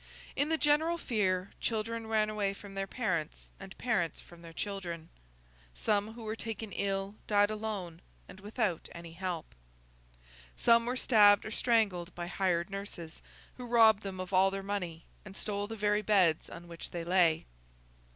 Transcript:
In the general fear, children ran away from their parents, and parents from their children. Some who were taken ill, died alone, and without any help. Some were stabbed or strangled by hired nurses who robbed them of all their money, and stole the very beds on which they lay.